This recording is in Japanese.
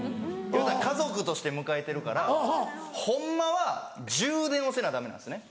いうたら家族として迎えてるからホンマは充電をせなダメなんですね。